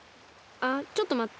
あっちょっとまって。